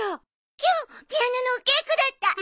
今日ピアノのおけいこだった！